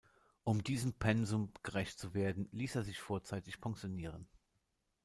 Um diesem Pensum gerecht zu werden, ließ er sich vorzeitig pensionieren.